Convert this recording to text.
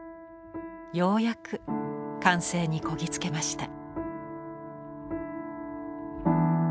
ようやく完成にこぎ着けました。